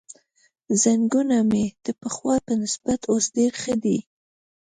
زنګون مې د پخوا په نسبت اوس ډېر ښه دی.